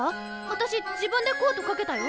私自分でコートかけたよ。